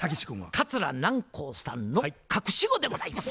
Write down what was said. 桂南光さんの隠し子でございます。